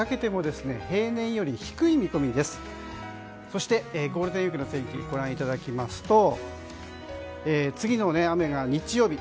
そしてゴールデンウィークの天気ご覧いただきますと次の雨が日曜日